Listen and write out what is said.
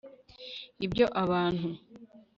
ibyo abantu